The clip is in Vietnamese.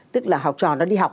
tức là học trò nó đi học